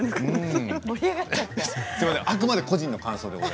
あくまで個人の感想です。